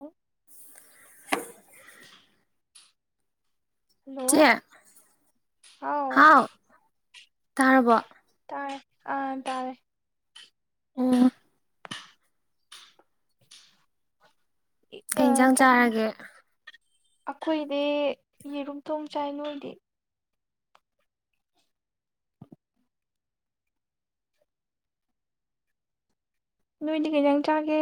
ꯑ [unintelligible] ꯍꯜꯂꯣ ꯆꯦ ꯍꯥꯎ ꯇꯥꯔꯕꯣ ꯇꯥꯔꯦ ꯑꯥ ꯇꯥꯔꯦ ꯎꯝ ꯀꯩ ꯏꯟꯖꯥꯡ ꯆꯥꯔꯒꯦ ꯑꯩꯈꯣꯏꯗꯤ ꯌꯦꯔꯨꯝꯊꯣꯡ ꯆꯥꯏ ꯅꯣꯏꯗꯤ ꯅꯣꯏꯗꯤ ꯀꯩ ꯏꯟꯖꯥꯡ ꯆꯥꯒꯦ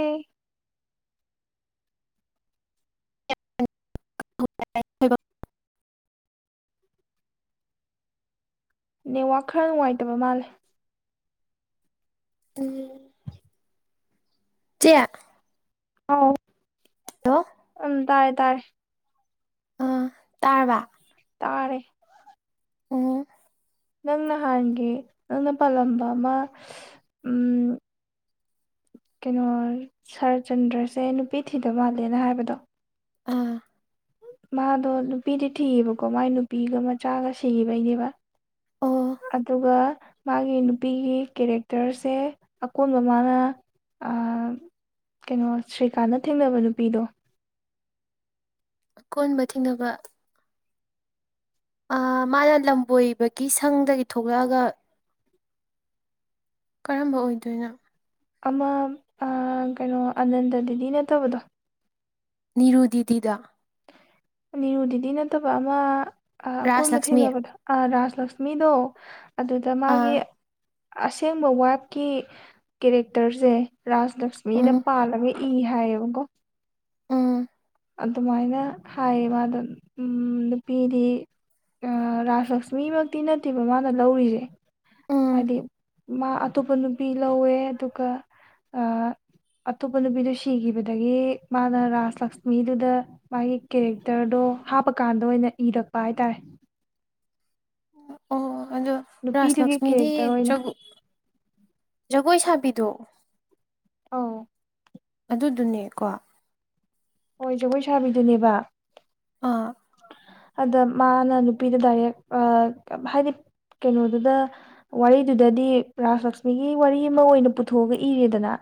[inaudible] ꯅꯦꯠꯋꯥꯛ ꯈꯔ ꯅꯨꯡꯉꯥꯏꯇꯕ ꯃꯥꯜꯂꯦ ꯆꯦ ꯍꯥꯎ ꯂꯣ ꯎꯝ ꯇꯥꯔꯦ ꯇꯥꯔꯦ ꯇꯥꯔꯕ ꯇꯥꯔꯦ ꯎ ꯅꯪ ꯅꯍꯥꯟꯒꯤ ꯅꯪꯅ ꯄꯥꯜꯂꯝꯕ ꯑꯃ ꯀꯩꯅꯣ ꯁꯔꯆꯟꯗ꯭ꯔꯁꯦ ꯅꯨꯄꯤ ꯊꯤꯗ ꯃꯥꯜꯂꯦꯅ ꯍꯥꯏꯕꯗꯣ ꯑꯥ ꯃꯥꯗꯣ ꯅꯨꯄꯤꯗꯤ ꯊꯤꯌꯦꯕꯀꯣ ꯃꯥꯏ ꯅꯨꯄꯤꯒ ꯃꯆꯥꯒ ꯁꯤꯕꯩꯅꯦꯕ ꯑꯣ ꯑꯗꯨꯒ ꯃꯥꯒꯤ ꯅꯨꯄꯤꯒꯤ ꯀꯦꯔꯦꯛꯇꯔꯁꯦ ꯑꯀꯣꯟꯕ ꯃꯥꯅ ꯀꯩꯅꯣ ꯁ꯭ꯔꯤꯀꯥꯟꯅ ꯊꯦꯡꯅꯕ ꯅꯨꯄꯤꯗꯣ ꯀꯣꯟꯕ ꯊꯦꯡꯅꯕ ꯑ ꯃꯥꯅ ꯂꯝꯕꯣꯏꯕꯒꯤ ꯁꯪꯗꯒꯤ ꯊꯣꯛꯂꯛꯑꯒ ꯀꯔꯝꯕ ꯑꯣꯏꯗꯣꯏꯅꯣ ꯑꯃ ꯀꯩꯅꯣ ꯑꯅꯟꯗ ꯗꯦꯗꯤ ꯅꯠꯇꯕꯗꯣ ꯔꯣꯗꯤꯗꯗ ꯅꯤꯔꯨꯗꯨꯗꯤ ꯅꯠꯇꯕ ꯑꯃ ꯔꯥꯖ ꯑꯀꯣꯟꯕ ꯂꯛꯁꯃꯤ ꯊꯦꯡꯅꯕꯗ ꯔꯥꯁ ꯂꯛꯁꯃꯤꯗꯣ ꯑꯗꯨꯗ ꯃꯥꯒꯤ ꯑꯥ ꯑꯁꯦꯡꯕ ꯋꯥꯏꯐꯀꯤ ꯀꯦꯔꯦꯛꯇꯔꯁꯦ ꯔꯥꯖ ꯂꯛꯁꯃꯤꯗ ꯎꯝ ꯄꯥꯜꯂꯒ ꯏ ꯍꯥꯏꯌꯦꯕꯀꯣ ꯎꯝ ꯑꯗꯨꯃꯥꯏꯅ ꯍꯥꯏꯌꯦ ꯃꯥꯗꯣ ꯎ ꯅꯨꯄꯤꯗꯤ ꯔꯥꯖ ꯂꯛꯁꯃꯤ ꯃꯛꯇꯤ ꯅꯠꯇꯦꯕ ꯃꯥꯅ ꯂꯧꯔꯤꯁꯦ ꯎꯝ ꯍꯥꯏꯗꯤ ꯃꯥ ꯑꯇꯣꯞꯄ ꯅꯨꯄꯤ ꯂꯧꯋꯦ ꯑꯗꯨꯒ ꯑꯇꯣꯞꯄ ꯅꯨꯄꯤꯗꯨ ꯁꯤꯈꯤꯕꯗꯒꯤ ꯃꯥꯅ ꯔꯥꯁ ꯂꯛꯁ ꯃꯤꯗꯨꯗ ꯃꯥꯒꯤ ꯀꯦꯔꯦꯛꯇꯔꯗꯣ ꯍꯥꯞꯄꯀꯥꯟꯗ ꯑꯣꯏꯅ ꯏꯔꯛꯄ ꯍꯥꯏꯇꯥꯔꯦ ꯑꯣ ꯑꯗꯣ ꯔꯥꯁ ꯅꯨꯄꯤꯗꯨꯒꯤ ꯂꯛꯁꯃꯤꯗꯤ ꯀꯦꯔꯦꯛꯇꯔ ꯑꯣꯏꯅ ꯖꯒ ꯖꯒꯣꯏ ꯁꯥꯕꯤꯗꯨꯣ ꯑꯥ ꯑꯗꯨꯗꯨꯅꯦꯀꯣ ꯍꯣꯏ ꯖꯒꯣꯏ ꯁꯥꯕꯤꯗꯨꯅꯦꯕ ꯑꯥ ꯑꯗ ꯃꯥꯅ ꯅꯨꯄꯤꯗ ꯗꯥꯏꯔꯦꯛ ꯍꯥꯏꯗꯤ ꯀꯩꯅꯣꯗꯨꯗ ꯋꯥꯔꯤꯗꯨꯗꯗꯤ ꯔꯥꯁ ꯂꯛꯁꯃꯤꯒꯤ ꯋꯥꯔꯤ ꯑꯃ ꯑꯣꯏꯅ ꯄꯨꯊꯣꯛꯑꯒ ꯏꯔꯦꯗꯅ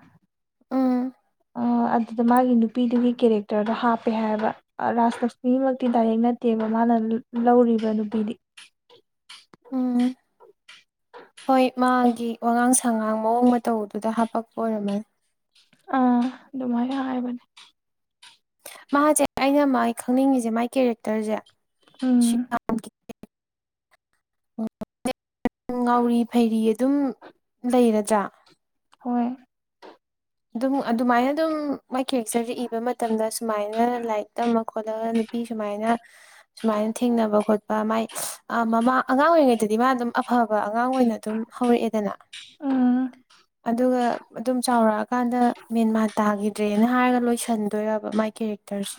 ꯎꯝ ꯑꯗꯨꯗ ꯃꯥꯒꯤ ꯅꯨꯄꯤꯗꯨꯒꯤ ꯀꯦꯔꯦꯛꯇꯔꯗꯣ ꯍꯥꯞꯄꯦ ꯍꯥꯏꯕ ꯔꯥꯁ ꯂꯛꯁꯃꯤꯃꯛꯇꯤ ꯗꯥꯏꯔꯦꯛ ꯅꯠꯇꯦꯕ ꯃꯥꯅ ꯂꯧꯔꯤꯕ ꯅꯨꯄꯤꯗꯤ ꯎꯝ ꯍꯣꯏ ꯃꯥꯒꯤ ꯋꯥꯉꯥꯡ ꯁꯉꯥꯡ ꯃꯑꯣꯡ ꯃꯇ ꯇꯧꯗꯨꯗ ꯍꯥꯄꯛꯄ ꯑꯣꯏꯔꯝꯃꯅꯤ ꯑꯥ ꯑꯗꯨꯃꯥꯏꯅ ꯍꯥꯏꯕꯅꯦ ꯃꯥꯁꯦ ꯑꯩꯅ ꯃꯥꯥꯏ ꯈꯪꯅꯤꯡꯉꯤꯁꯦ ꯃꯥꯥꯏ ꯀꯦꯔꯦꯛꯇꯔꯁꯦ [unintelligible] ꯎ ꯉꯥꯎꯔꯤ ꯐꯩꯔꯤ ꯑꯗꯨꯝ ꯂꯩꯔꯖ꯭ꯔꯥ ꯍꯣꯏ ꯑꯗꯨꯝ ꯑꯗꯨꯃꯥꯏꯅ ꯑꯗꯨꯝ ꯋꯥꯏꯀꯦꯛꯆꯁꯦ ꯏꯕ ꯃꯇꯝꯗ ꯁꯨꯃꯥꯏꯅ ꯂꯥꯏꯔꯤꯛ ꯇꯝꯃ ꯈꯣꯠꯂꯒ ꯁꯨꯃꯥꯏꯅ ꯁꯨꯃꯥꯏꯅ ꯊꯦꯡꯅꯕ ꯈꯣꯠꯄ ꯃꯥꯏ ꯃꯃꯥ ꯑꯉꯥꯡ ꯑꯣꯏꯔꯤꯉꯩꯗꯗꯤ ꯃꯥ ꯑꯗꯨꯝ ꯑꯐꯕ ꯑꯉꯥꯡ ꯑꯣꯏꯅ ꯑꯗꯨꯝ ꯍꯧꯔꯛꯑꯦꯗꯅ ꯎꯝ ꯑꯗꯨꯒ ꯑꯗꯨꯝ ꯆꯥꯎꯔꯛ ꯆ ꯀꯥꯟꯗ ꯃꯦꯟꯃꯥ ꯇꯥꯈꯤꯗ꯭ꯔꯦꯅ ꯍꯥꯏꯔꯒ ꯂꯣꯏꯁꯟꯗꯣꯏꯕ ꯃꯥꯏ ꯀꯦꯔꯦꯛꯇꯔꯁꯦ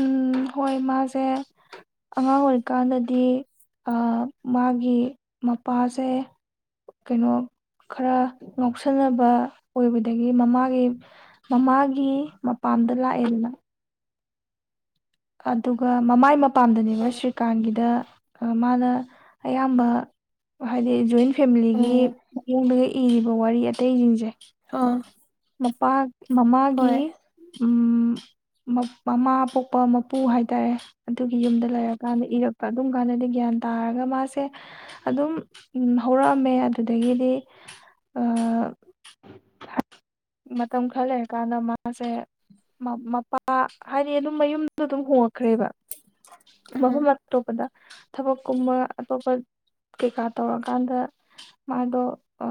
ꯎꯝ ꯍꯣꯏ ꯃꯥꯁꯦ ꯑꯉꯥꯡ ꯑꯣꯏꯔꯤꯀꯥꯟꯗꯗꯤ ꯃꯥꯒꯤ ꯃꯄꯥꯁꯦ ꯀꯩꯅꯣ ꯈꯔ ꯉꯥꯎꯁꯟꯅꯕ ꯑꯣꯏꯕꯗꯒꯤ ꯃꯃꯥꯒꯤ ꯃꯃꯥꯒꯤ ꯃꯄꯥꯝꯗ ꯂꯥꯛꯑꯦꯗꯅ ꯑꯗꯨꯒ ꯃꯃꯥꯏ ꯃꯄꯥꯝꯗꯅꯦꯕ ꯎꯝ ꯁ꯭ꯔꯤꯀꯥꯟꯒꯤꯗ ꯑ ꯃꯥꯅ ꯑꯌꯥꯝꯕ ꯍꯥꯏꯗꯤ ꯖꯣꯏꯟ ꯐꯦꯃꯤꯂꯤꯒꯤ ꯎꯝ ꯃꯑꯣꯡꯒ ꯏꯔꯤꯕ ꯋꯥꯔꯤ ꯑꯇꯩꯖꯤꯡꯖꯦ ꯑꯣ ꯃꯄꯥ ꯃꯃꯥꯒꯤ ꯍꯣꯏ ꯎꯝ ꯃꯞ ꯃꯃꯥ ꯄꯣꯛꯄ ꯃꯄꯨ ꯍꯥꯏꯇꯥꯔꯦ ꯑꯗꯨꯒꯤ ꯌꯨꯝꯗ ꯂꯩꯔꯀꯥꯟꯗ ꯏꯔꯛꯄ ꯑꯗꯨꯝ ꯀꯥꯟꯅꯗꯤ ꯒ꯭ꯌꯥꯟ ꯇꯥꯔꯒ ꯃꯥꯁꯦ ꯑꯗꯨꯝ ꯎꯝ ꯍꯧꯔꯛꯑꯝꯃꯦ ꯑꯗꯨꯗꯒꯤꯗꯤ ꯑ ꯃꯇꯝ ꯈꯔ ꯂꯩꯔꯀꯥꯟꯗ ꯃꯥꯁꯦ ꯃ ꯃꯄꯥ ꯍꯥꯏꯗꯤ ꯑꯗꯨꯝ ꯃꯌꯨꯝꯗꯣꯗꯨꯝ ꯍꯣꯡꯉꯛꯈ꯭ꯔꯦꯕ ꯃꯐꯝ ꯎꯝ ꯑꯇꯣꯞꯄꯗ ꯊꯕꯛꯀꯨꯝꯕ ꯑꯇꯣꯞꯄ ꯀꯩꯀꯥ ꯇꯧꯔꯀꯥꯟꯗ ꯃꯗꯣ ꯑ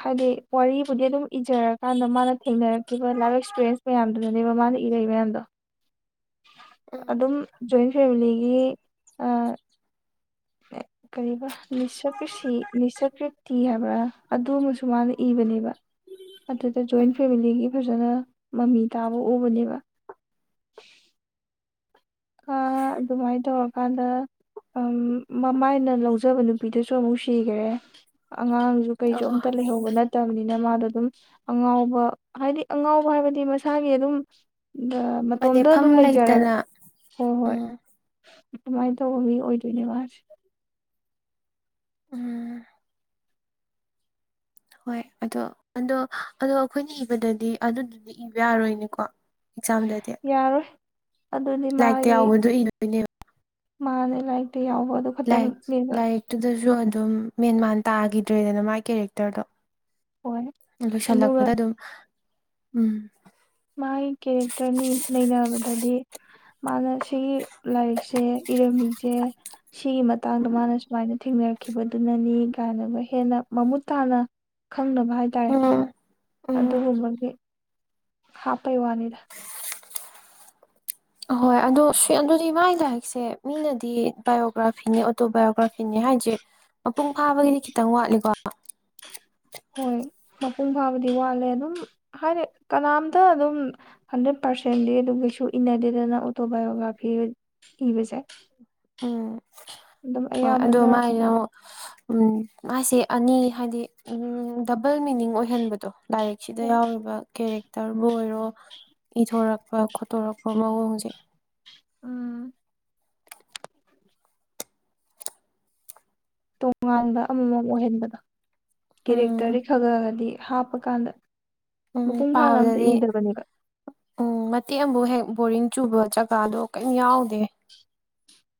ꯍꯥꯏꯗꯤ ꯋꯥꯔꯤꯕꯨꯗꯤ ꯑꯗꯨꯝ ꯏꯖꯔꯀꯥꯟꯗ ꯃꯥꯅ ꯊꯦꯡꯅꯔꯛꯈꯤꯕ ꯂꯥꯏꯐ ꯑꯦꯛꯁꯄꯤꯔꯦꯟꯟꯁ ꯃꯌꯥꯝꯗꯨꯅꯅꯦꯕ ꯃꯥꯅ ꯏꯔꯛꯏꯕ ꯃꯌꯥꯝꯗꯣ ꯎꯝ ꯑꯗꯨꯝ ꯖꯣꯏꯟ ꯐꯦꯃꯤꯂꯤꯒꯤ ꯑ ꯀꯔꯤꯑꯕ ꯅꯤꯁꯥ ꯀ꯭ꯔꯤꯁꯤ ꯅꯤꯁꯥ ꯀ꯭ꯔꯤꯇꯤ ꯍꯥꯏꯕ꯭ꯔꯥ ꯑꯗꯨ ꯑꯃꯁꯨ ꯃꯥꯅ ꯏꯕꯅꯦꯕ ꯑꯗꯨꯗ ꯖꯣꯏꯟ ꯎꯝ ꯐꯦꯃꯤꯂꯤꯒꯤ ꯐꯖꯅ ꯃꯃꯤ ꯇꯥꯕ ꯎꯕꯅꯦꯕ [unintelligible] ꯑꯗꯨꯃꯥꯏ ꯇꯧꯔꯀꯥꯟꯗ ꯑꯪ ꯃꯃꯥꯏꯅ ꯂꯧꯖꯕ ꯅꯨꯄꯤꯗꯨꯁꯨ ꯑꯃꯨꯛ ꯁꯤꯒꯔꯦ ꯑꯉꯥꯡꯖꯨ ꯀꯩꯖꯨ ꯑꯣ ꯑꯝꯇ ꯂꯩꯍꯧꯕ ꯅꯠꯇꯕꯅꯤꯅ ꯃꯥꯗꯣ ꯑꯗꯨꯝ ꯑꯉꯥꯎꯕ ꯍꯥꯏꯗꯤ ꯑꯉꯥꯎꯕ ꯍꯥꯏꯕꯗꯤ ꯃꯁꯥꯒꯤ ꯑꯗꯨꯝ ꯗ ꯃꯇꯣꯝꯇ ꯂꯦꯞꯐꯝ ꯑꯗꯨꯝ ꯂꯩꯖꯔꯒ ꯂꯩꯇꯅ ꯍꯣꯏ ꯍꯣꯏ ꯎꯝ ꯑꯗꯨꯃꯥꯏꯅ ꯇꯧꯕ ꯃꯤ ꯑꯣꯏꯗꯣꯏꯅꯦ ꯑꯥꯔ꯭ꯠꯁꯦ ꯎꯝ ꯍꯣꯏ ꯑꯗꯣ ꯑꯗꯣ ꯑꯗꯣ ꯑꯩꯈꯣꯏꯅ ꯏꯕꯗꯗꯤ ꯑꯗꯨꯗꯨꯗꯤ ꯏꯕ ꯌꯥꯔꯣꯏꯅꯦꯀꯣ ꯑꯦꯛꯖꯥꯝꯗꯗꯤ ꯌꯥꯔꯣꯏ ꯑꯗꯨꯗꯤ ꯂꯥꯏꯔꯤꯛꯇ ꯌꯥꯎꯕꯗꯣ ꯏꯗꯣꯏꯅꯦꯕ ꯃꯥꯅꯦ ꯂꯥꯏꯔꯤꯛꯇ ꯌꯥꯎꯕ ꯑꯗꯨ ꯂꯥꯏꯔꯤꯛ ꯈꯛꯇꯅꯦꯕ ꯂꯥꯏꯔꯤꯛꯇꯨꯗꯁꯨ ꯑꯗꯨꯝ ꯃꯦꯟꯃꯥꯟ ꯇꯥꯈꯤꯗ꯭ꯔꯦꯗꯅ ꯃꯥꯥꯏ ꯀꯦꯔꯦꯛꯇꯔꯗꯣ ꯑꯣꯏ ꯑꯗꯨꯒ ꯂꯣꯏꯁꯜꯂꯛꯄꯗ ꯑꯗꯨꯝ ꯎꯝ ꯃꯥꯒꯤ ꯀꯦꯔꯦꯛꯇꯔꯅꯤ ꯅꯩꯅꯕꯗꯗꯤ ꯃꯥꯒ ꯁꯤꯒꯤ ꯂꯥꯏꯔꯤꯛꯁꯦ ꯏꯔꯝꯃꯤꯖꯦ ꯁꯤꯒꯤ ꯃꯇꯥꯡꯗ ꯃꯥꯅ ꯁꯨꯃꯥꯏꯅ ꯊꯦꯡꯅꯔꯛꯈꯤꯕꯗꯨꯅꯅꯦ ꯀꯥꯏꯅꯒ ꯍꯦꯟꯅ ꯃꯃꯨꯠ ꯇꯥꯅ ꯈꯪꯅꯕ ꯍꯥꯏ ꯎꯝ ꯎꯝ ꯑꯗꯨꯒꯨꯝꯕꯒꯤ ꯍꯥꯞꯄꯩ ꯋꯥꯅꯤꯗ ꯑꯍꯣꯏ ꯑꯗꯣ ꯁꯤ ꯑꯗꯨꯗꯤ ꯃꯥꯒꯤ ꯂꯥꯏꯔꯤꯛꯁꯦ ꯃꯤꯅꯗꯤ ꯕꯥꯏꯑꯣꯒ꯭ꯔꯥꯐꯤꯅꯦ ꯑꯣꯇꯣ ꯕꯥꯏꯑꯣꯒ꯭ꯔꯥꯐꯤꯅꯦ ꯍꯥꯏꯖꯦ ꯃꯄꯨꯡ ꯐꯥꯕꯒꯤꯗꯤ ꯈꯤꯇꯪ ꯋꯥꯠꯂꯤꯀꯣ ꯍꯣꯏ ꯃꯄꯨꯡ ꯐꯥꯕꯗꯤ ꯋꯥꯠꯂꯦ ꯑꯗꯨꯝ ꯍꯥꯏꯗꯤ ꯀꯅꯥꯝꯇ ꯑꯗꯨꯝ ꯍꯟꯗ꯭ꯔꯦꯠ ꯄꯥꯔꯁꯦꯟꯗꯤ ꯑꯗꯨ ꯀꯩꯁꯨ ꯏꯅꯗꯦꯗꯅ ꯑꯣꯇꯣꯕꯥꯏꯌꯣꯒ꯭ꯔꯥꯐꯤ ꯏꯕꯁꯦ ꯎꯝ ꯑꯗꯨꯝ ꯍꯣꯏ ꯑꯗꯨ ꯑꯌꯥꯝꯕꯅ ꯃꯥꯏꯖꯦ ꯑꯃꯨꯛ ꯎꯝ ꯃꯥꯥꯏꯁꯦ ꯑꯅꯤ ꯍꯥꯏꯗꯤ ꯎꯝ ꯗꯕꯜ ꯃꯤꯅꯤꯡ ꯑꯣꯏꯍꯟꯕꯗꯣ ꯗꯥꯏꯔꯤꯛꯁꯤꯗ ꯌꯥꯎꯔꯤꯕ ꯀꯦꯔꯦꯛ ꯇꯔꯕꯨ ꯑꯣꯏꯔꯣ ꯏꯊꯣꯔꯛꯄ ꯈꯣꯠꯇꯣꯔꯛꯄ ꯃꯑꯣꯡꯖꯦ ꯎꯝ ꯇꯣꯉꯥꯟꯕ ꯑꯃꯃꯝ ꯑꯣꯏꯍꯟꯕꯗꯣ ꯎꯝ ꯀꯦꯔꯦꯛꯇꯔꯗꯤ ꯈꯒꯂꯒꯗꯤ ꯍꯥꯞꯄ ꯀꯥꯟꯗ ꯎꯝ ꯃꯄꯨꯡ ꯐꯥꯅ ꯑꯝꯇ ꯄꯥꯕꯗꯗꯤ ꯏꯗꯕꯅꯦꯕ ꯎꯝ ꯃꯇꯦꯛ ꯑꯃꯕꯨ ꯍꯦꯛ ꯕꯣꯔꯤꯡ ꯆꯨꯕ ꯖꯒꯥꯗꯣ ꯀꯩꯝ ꯌꯥꯎꯗꯦ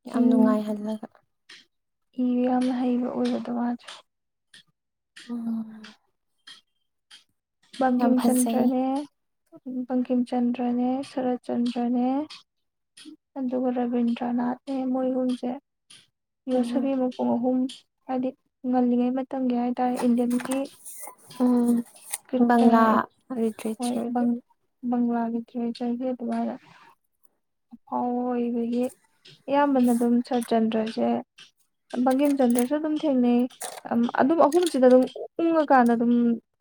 ꯌꯥꯝ ꯎꯝ ꯅꯨꯡꯉꯥꯏꯍꯜꯂꯒ ꯏꯕ ꯌꯥꯝꯅ ꯍꯩꯕ ꯑꯣꯏꯕꯗꯣ ꯃꯥꯁꯨ ꯑꯣ ꯌꯥꯝ ꯕꯪꯀꯤꯝ ꯐꯖꯩ ꯆꯟꯗ꯭ꯔꯅꯦ ꯕꯪꯀꯤꯝ ꯆꯟꯗ꯭ꯔꯅꯦ ꯁꯔꯠꯆꯟꯗ꯭ꯔꯅꯦ ꯑꯗꯨꯒ ꯔꯕꯤꯗ꯭ꯔꯅꯥꯊꯅꯦ ꯃꯣꯏꯒꯨꯟꯁꯦ ꯌꯣꯠꯁꯕꯤ ꯎꯝ ꯑꯃ ꯄꯨꯡ ꯑꯍꯨꯝ ꯍꯥꯏꯗꯤ ꯉꯜꯂꯤꯉꯩ ꯃꯇꯝꯒꯤ ꯍꯥꯏꯇꯥꯔꯦ ꯏꯟꯗꯤꯌꯟꯒꯤ ꯎꯝꯕꯂꯥ ꯍꯣꯏꯕ ꯕꯪꯂꯥꯒꯤ ꯇ꯭ꯔꯦꯖꯔꯒꯤ ꯑꯗꯨꯥꯏꯅ ꯑꯐꯥꯎ ꯑꯣꯏꯕꯒꯤ ꯑꯌꯥꯝꯕꯅ ꯑꯗꯨꯝ ꯁꯔꯆꯟꯗ꯭ꯔꯁꯦ ꯕꯪꯒꯦꯝ ꯆꯟꯗ꯭ꯔꯁꯨ ꯑꯗꯨꯝ ꯊꯦꯡꯅꯩ ꯑꯗꯨꯝ ꯑꯍꯨꯝꯁꯤꯗ ꯑꯗꯨꯝ ꯎꯪꯉꯀꯥꯟꯗ ꯑꯗꯨꯝ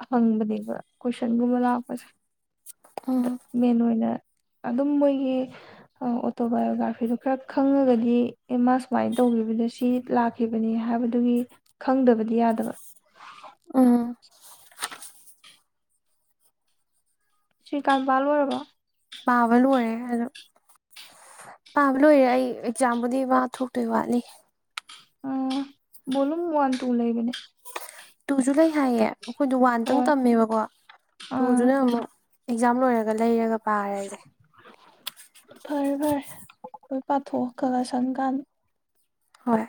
ꯍꯪꯕꯅꯦꯕ ꯀꯣꯏꯁꯟꯒꯨꯝꯕ ꯂꯥꯛꯄꯁꯦ ꯎꯝ ꯃꯦꯟ ꯑꯣꯏꯅ ꯑꯗꯨꯝ ꯃꯣꯏꯒꯤ ꯑꯣꯇꯣꯕꯥꯏꯌꯣꯒ꯭ꯔꯥꯐꯤꯗꯣ ꯈꯔ ꯈꯪꯉꯒꯗꯤ ꯑꯦ ꯃꯥ ꯁꯨꯃꯥꯏꯅ ꯇꯧꯈꯤꯕꯗꯣ ꯁꯤ ꯂꯥꯛꯀꯦ ꯈꯤꯕꯅꯤ ꯍꯥꯏꯕꯗꯨꯒꯤ ꯈꯪꯗꯕꯗꯤ ꯌꯥꯗꯕ ꯎ ꯁꯤ꯭ꯔꯤ ꯀꯝꯄꯥꯜ ꯑꯣꯏꯔꯕꯣ ꯄꯕ ꯂ ꯑꯣꯏꯋꯦꯣ ꯄꯥꯕ ꯂꯣꯏꯔꯦ ꯑꯩ ꯑꯦꯛꯖꯥꯝꯕꯨꯗꯤ ꯃꯥ ꯊꯣꯛꯇꯣꯏ ꯋꯥꯠꯂꯤ ꯑꯣꯨꯝ ꯋꯥꯜ ꯇꯨ ꯎ ꯂꯩꯥꯏꯕꯅꯦ ꯇꯨꯁꯨ ꯂꯩ ꯍꯥꯏꯌꯦ ꯑꯩꯈꯣꯏꯗ ꯋꯥꯟꯗꯪ ꯍꯣꯏ ꯇꯝꯃꯦꯕꯀꯣ ꯑꯥ ꯇꯨꯗꯨꯅ ꯑꯃꯨꯛ ꯑꯦꯛꯖꯥꯝ ꯂꯣꯏꯔꯒ ꯂꯩꯔꯒ ꯄꯥꯔꯁꯦ ꯐꯔꯦ ꯐꯔꯦ ꯑꯩꯈꯣꯏ ꯄꯥꯊꯣꯛꯑ ꯈꯒ ꯁꯪꯀꯥꯟ ꯍꯣꯏ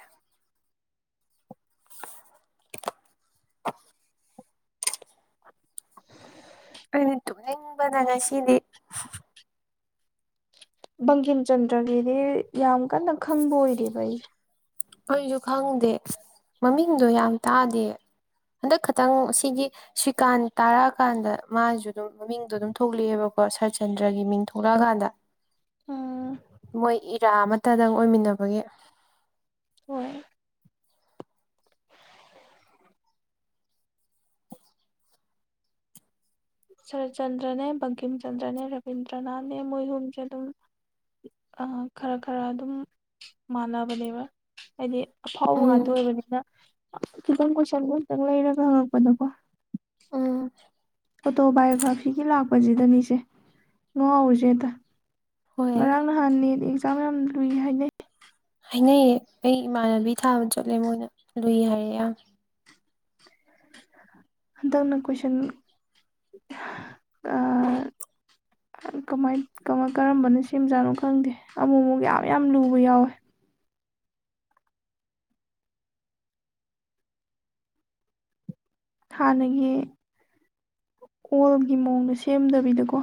[inaudible] ꯇꯣꯛꯅꯤꯡꯕꯗ ꯉꯁꯤꯗꯤ ꯕꯪꯒꯤꯡ ꯆꯟꯗ꯭ꯔꯒꯤꯗꯤ ꯌꯥꯝ ꯀꯟꯅ ꯈꯪꯕ ꯑꯣꯏꯔꯤꯕ ꯑꯩ ꯑꯩꯁꯨ ꯈꯪꯗꯦ ꯃꯃꯤꯡꯗꯣ ꯌꯥꯝ ꯇꯥꯗꯦ ꯍꯟꯗꯛ ꯈꯇꯪ ꯁꯤꯒꯤ ꯁ꯭ꯔꯤꯀꯥꯟ ꯇꯥꯔꯛꯑꯀꯥꯟꯗ ꯃꯥꯁꯨ ꯑꯗꯨꯝ ꯃꯃꯤꯡꯗꯣ ꯑꯗꯨꯝ ꯊꯣꯛꯂꯛꯑꯦꯕꯀꯣ ꯁꯔꯠꯆꯟꯗ꯭ꯔꯒꯤ ꯃꯤꯡ ꯊꯣꯛꯂꯛꯑꯀꯥꯟꯗ ꯎꯝ ꯃꯣꯏ ꯏꯔꯥ ꯑꯃꯇꯗꯪ ꯑꯣꯏꯃꯤꯟꯅꯕꯒꯤ ꯍꯣꯏ ꯁꯔꯠꯆꯟꯗ꯭ꯔꯅꯦ ꯕꯪꯀꯤꯝ ꯆꯟꯗ꯭ꯔꯅꯦ ꯔꯕꯤꯟꯗ꯭ꯔꯅꯥꯠꯅꯦ ꯃꯣꯏꯍꯨꯝꯁꯦ ꯑꯗꯨꯝ ꯈꯔ ꯈꯔ ꯑꯗꯨꯝ ꯃꯥꯟꯅꯕꯅꯦꯕ ꯍꯥꯏꯗꯤ ꯑꯐꯥꯎꯕ ꯉꯥꯛꯇ ꯎꯝ ꯑꯣꯏꯕꯅꯤꯅ ꯈꯤꯇꯪ ꯀꯣꯏꯁꯟꯒ ꯑꯃꯇꯪ ꯂꯩꯔꯒ ꯍꯪꯉꯛꯄꯗꯀꯣ ꯎꯝ ꯑꯣꯇꯣꯕꯥꯏꯌꯑꯣꯒ꯭ꯔꯥꯐꯤꯒꯤ ꯂꯥꯛꯄꯁꯤꯗꯅꯤꯁꯦ ꯉꯉꯥꯎꯔꯨꯁꯦꯗ ꯍꯣꯏ ꯅꯍꯥꯟ ꯅꯠ ꯑꯦꯛꯖꯥꯝ ꯌꯥꯝ ꯂꯨꯏ ꯍꯥꯏꯅ ꯍꯥꯏꯅꯩꯌꯦ ꯑꯩ ꯏꯃꯥꯟꯅꯕꯤ ꯊꯥꯕ ꯆꯠꯂꯦ ꯃꯣꯏꯅ ꯂꯨꯏ ꯍꯥꯏꯔꯛꯑꯦ ꯌꯥꯝ ꯍꯟꯇꯪꯅ ꯀꯣꯏꯁꯟ ꯑ ꯀꯃꯥꯏ ꯀꯃ ꯀꯔꯝꯕꯅ ꯁꯦꯝꯖꯥꯠꯅꯣ ꯈꯪꯗꯦ ꯑꯃꯨꯛ ꯑꯃꯨꯛ ꯌꯥꯝ ꯌꯥꯝ ꯂꯨꯕ ꯌꯥꯎꯋꯦ ꯍꯥꯟꯅꯒꯤ ꯑꯣꯜꯒꯤ ꯃꯑꯣꯡꯗꯣ ꯁꯦꯝꯗꯕꯤꯗꯀꯣ